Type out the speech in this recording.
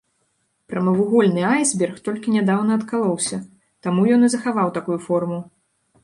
Прамавугольны айсберг толькі нядаўна адкалоўся, таму ён і захаваў такую форму.